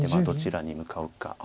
どちらに向かうか。